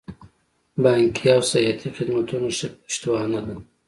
بانکي او سیاحتي خدمتونه ښه پشتوانه ده.